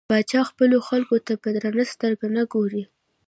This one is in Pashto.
پاچا خپلو خلکو ته په درنه سترګه نه ګوري .